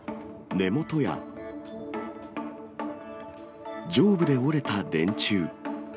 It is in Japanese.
根元や上部で折れた電柱。